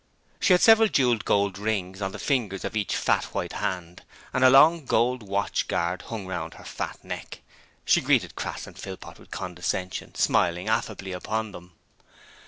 She had several jewelled gold rings on the fingers of each fat white hand, and a long gold watch guard hung round her fat neck. She greeted Crass and Philpot with condescension, smiling affably upon them.